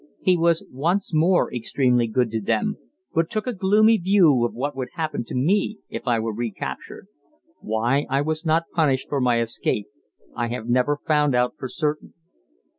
He was once more extremely good to them, but took a gloomy view of what would happen to me if I were recaptured. Why I was not punished for my escape I have never found out for certain.